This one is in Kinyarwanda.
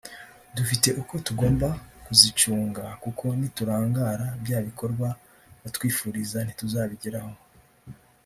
dufite uko tugomba kuzicunga kuko niturangara bya bikorwa batwifuriza ntituzabigeraho